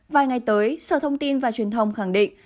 vài ngày tới sở thông tin và truyền thông khẳng định